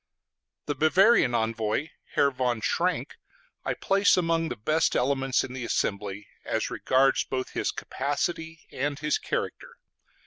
The Bavarian envoy, Herr von Schrenk, I place among the best elements in the assembly, as regards both his capacity and his character.